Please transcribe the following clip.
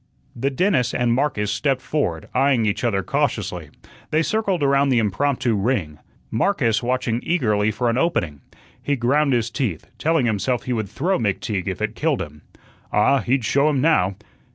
The dentist and Marcus stepped forward, eyeing each other cautiously. They circled around the impromptu ring. Marcus watching eagerly for an opening. He ground his teeth, telling himself he would throw McTeague if it killed him. Ah, he'd show him now.